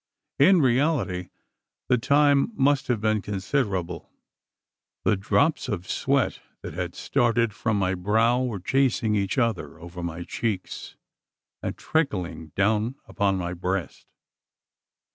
In reality, the time must have been considerable. The drops of sweat that had started from my brow were chasing each other over my cheeks, and trickling down upon my breast.